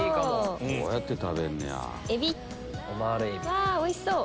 うわおいしそう！